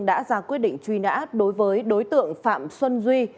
đã ra quyết định truy nã đối với đối tượng phạm xuân duy